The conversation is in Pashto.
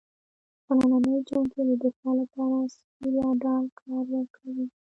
خو نننی جنګ کې د دفاع لپاره سپر یا ډال کار نه ورکوي.